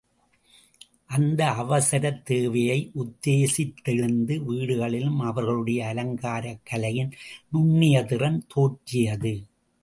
அந்த அவசரத் தேவையை உத்தேசித் தெழுந்த வீடுகளிலும் அவர்களுடைய அலங்காரக் கலையின் நுண்ணிய திறன் தோற்றியது.